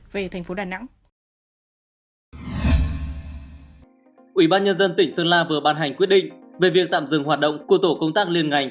ủy ban nhân dân tỉnh sơn la vừa ban hành quyết định về việc tạm dừng hoạt động của tổ công tác liên ngành